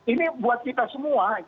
ini buat kita semua